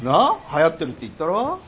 はやってるって言ったろ？